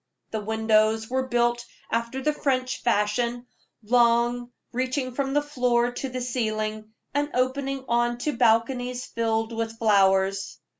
The windows were built after the French fashion long, reaching from the floor to the ceiling, and opening on to balconies filled with flowers.